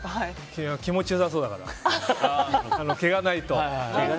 気持ちよさそうだから毛がないと。